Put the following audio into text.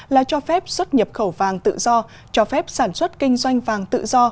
là cho phép xuất nhập khẩu vàng tự do cho phép sản xuất kinh doanh vàng tự do